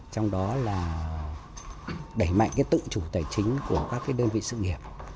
trong đó là đẩy mạnh tự chủ tài chính của các đơn vị sự nghiệp